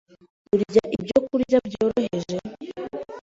urya ibyokurya byoroheje,